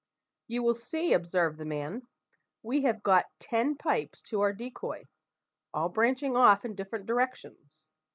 "You will see, sir," observed the man, "we have got ten pipes to our decoy, all branching off in different directions.